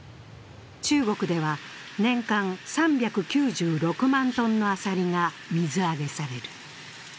中国では年間３９６万トンのアサリが水揚げされる。